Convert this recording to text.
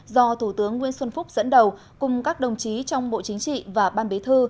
do thủ tướng nguyễn xuân phúc dẫn đầu cùng các đồng chí trong bộ chính trị và ban bế thư